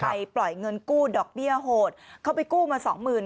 ปล่อยเงินกู้ดอกเบี้ยโหดเขาไปกู้มาสองหมื่น